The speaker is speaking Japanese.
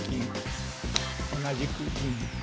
同じく銀。